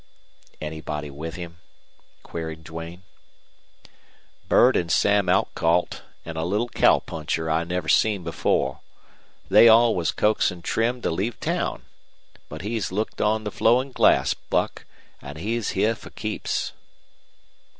"Anybody with him?" queried Duane. "Burt an' Sam Outcalt an' a little cowpuncher I never seen before. They all was coaxin' trim to leave town. But he's looked on the flowin' glass, Buck, an' he's heah for keeps."